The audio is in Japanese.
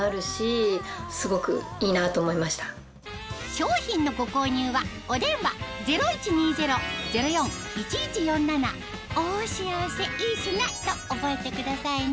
商品のご購入はお電話０１２０−０４−１１４７と覚えてくださいね